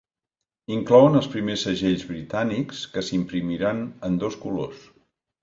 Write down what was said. Inclouen els primers segells britànics que s'imprimiran en dos colors.